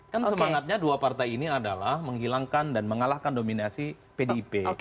kan semangatnya dua partai ini adalah menghilangkan dan mengalahkan dominasi pdip